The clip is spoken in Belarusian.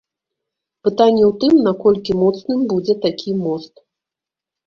Пытанне ў тым, наколькі моцным будзе такі мост.